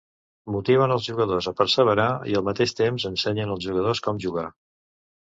Motiven els jugadors a perseverar i al mateix temps ensenyen els jugadors com jugar.